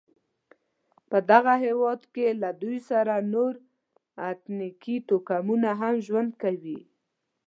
په دغه هېواد کې له دوی سره نور اتنیکي توکمونه هم ژوند کوي.